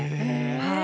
はい。